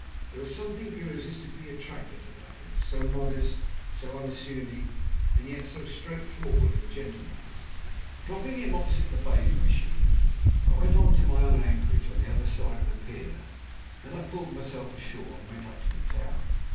There was something irresistibly attractive about him, so modest, so unassuming, and yet so straightforward and gentlemanly. Dropping him opposite the bathing machines, I went on to my own anchorage on the other side of the pier. Then I pulled myself ashore and went up to the town.